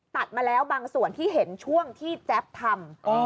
ตัดมาแล้วบางส่วนที่เห็นช่วงที่แจ๊บทำ